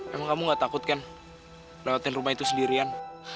emang kamu gak takut kan lewatin rumah itu sendirian